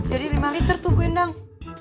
jadi lima liter tuh bu endang